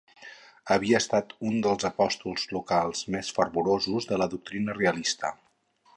Havia estat un dels apòstols locals més fervorosos de la doctrina realista